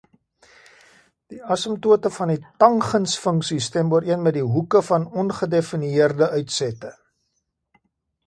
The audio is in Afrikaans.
Die asimptote van die tangensfunksie stem ooreen met die hoeke van ongedefinieerde uitsette.